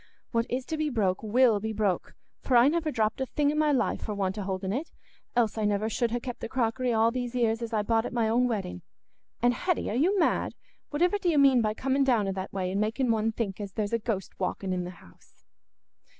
What is to be broke will be broke, for I never dropped a thing i' my life for want o' holding it, else I should never ha' kept the crockery all these 'ears as I bought at my own wedding. And Hetty, are you mad? Whativer do you mean by coming down i' that way, and making one think as there's a ghost a walking i' th' house?"